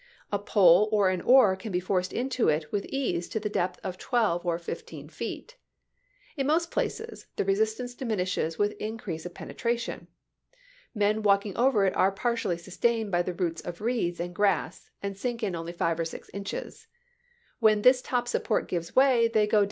A pole or an oar can be forced into it with ease to the depth of twelve or fifteen feet. In most places the resist ance diminishes with increase of penetration. Men walking over it are partially sustained by the roots of reeds and grass, and sink in only five or six inches. When this top support gives way they go ^Report!'